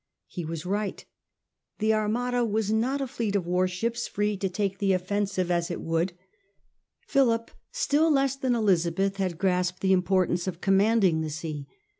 He was right. The Armada was not a XI ENGAGEMENT OFF PL YMOUTH 151 fleet of warships free to take the offensive as it would. Philip, still less than Elizabeth^ had grasped the import ance of commanding the sea.